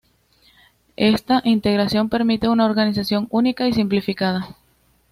Esta integración permite una organización única y simplificada.